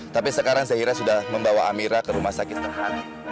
tapi sekarang zahira sudah membawa amira ke rumah sakit terhala